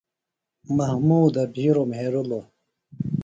محمودہ بِھیروۡ مھیرِلوۡ۔